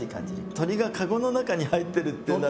鳥が籠の中に入ってるっていうのは。